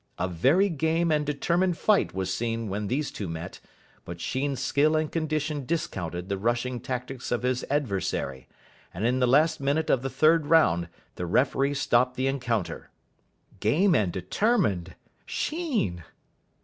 A very game and determined fight was seen when these two met, but Sheen's skill and condition discounted the rushing tactics of his adversary, and in the last minute of the third round the referee stopped the encounter." (Game and determined! Sheen!!)